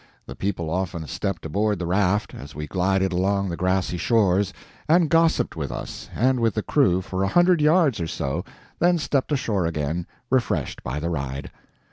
The people often stepped aboard the raft, as we glided along the grassy shores, and gossiped with us and with the crew for a hundred yards or so, then stepped ashore again, refreshed by the ride.